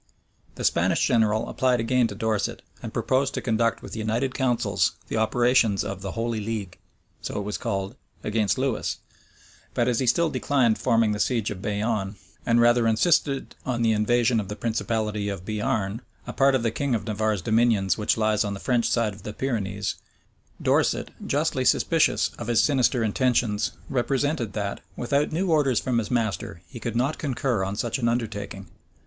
The Spanish general applied again to Dorset, and proposed to conduct with united counsels the operations of the "holy league," (so it was called,) against Lewis: but as he still declined forming the siege of Bayonne, and rather insisted on the invasion of the principality of Bearne, a part of the king of Navarre's dominions which lies on the French side of the Pyrenees, Dorset, justly suspicious of his sinister intentions, represented that, without new orders from his master, he could not concur in such an undertaking.